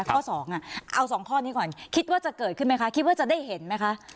ข้อ๒เอา๒ข้อนี้ก่อนคิดว่าจะเกิดขึ้นไหมคะคิดว่าจะได้เห็นไหมคะ